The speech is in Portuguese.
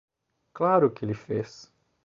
Claro que ele fez.